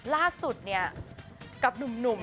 ล่าสุดเนี่ยกับหนุ่ม